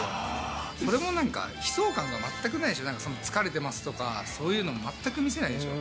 それもなんか、悲壮感が全くない、疲れてますとか、そういうのも全く見せないでしょ。